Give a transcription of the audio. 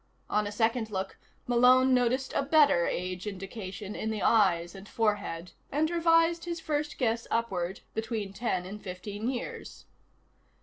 On a second look, Malone noticed a better age indication in the eyes and forehead, and revised his first guess upward between ten and fifteen years.